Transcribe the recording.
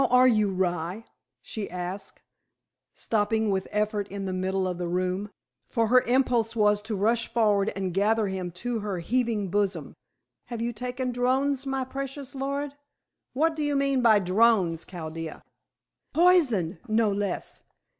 "How are you, rye?" she asked, stopping with effort in the middle of the room, for her impulse was to rush forward and gather him to her heaving bosom. "Have you taken drows, my precious lord?" "What do you mean by drows, Chaldea?" "Poison, no less.